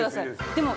でも。